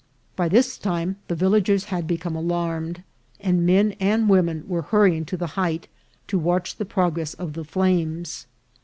By this time the villagers had become alarmed, and men and women were hur rying to the height to watch the progress of the flames.